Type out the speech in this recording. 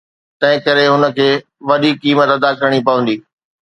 تنهنڪري هن کي وڏي قيمت ادا ڪرڻي پوندي.